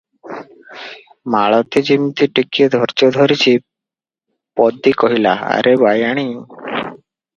ମାଳତୀ ଯିମିତି ଟିକିଏ ଧୈର୍ଯ୍ୟ ଧରିଛି, ପଦୀ କହିଲା, "ଆରେ ବାୟାଣୀ!